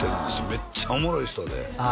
めっちゃおもろい人であ